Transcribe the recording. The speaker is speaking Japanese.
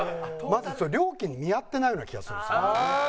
まず料金に見合ってないような気がするんです。